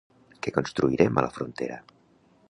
Què construirem a la frontera?